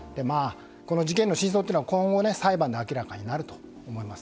この事件の真相というのは今後、裁判で明らかになると思います。